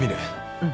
うん